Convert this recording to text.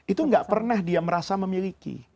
itu gak pernah dia merasa memiliki